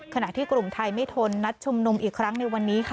ขณะที่กลุ่มไทยไม่ทนนัดชุมนุมอีกครั้งในวันนี้ค่ะ